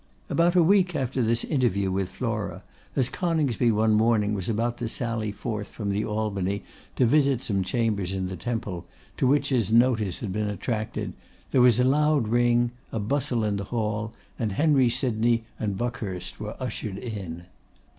About a week after this interview with Flora, as Coningsby one morning was about to sally forth from the Albany to visit some chambers in the Temple, to which his notice had been attracted, there was a loud ring, a bustle in the hall, and Henry Sydney and Buckhurst were ushered in.